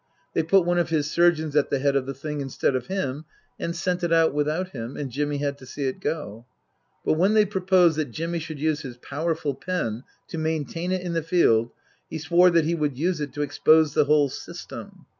They put one of his surgeons at the head of the thing instead of him and sent it out without him, and Jimmy had to see it go. But when they proposed that Jimmy should use his powerful pen to maintain it in the field, he swore that he would use it to expose the whole system.